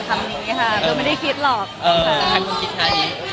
คำมูลคิดใคร